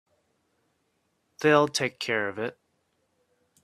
They'll take care of it.